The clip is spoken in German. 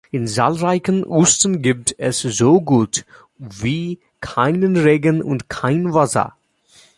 In zahlreichen Wüsten gibt es so gut wie keinen Regen und kein Wasser.